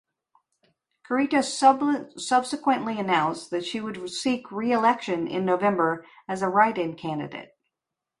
Kurita subsequently announced that she would seek re-election in November as a write-in candidate.